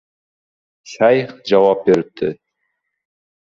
Shayx javob beribdi: